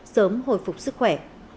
sớm hồi phục sức khỏe